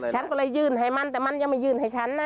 ฉันก็เลยยื่นให้มันแต่มันยังไม่ยื่นให้ฉันนะ